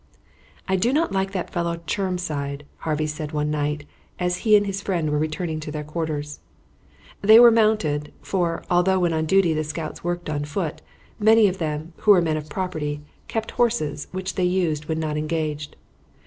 "I do not like that fellow Chermside," Harvey said one night, as he and his friend were returning to their quarters. They were mounted; for, although when on duty the scouts worked on foot, many of them, who were men of property, kept horses which they used when not engaged.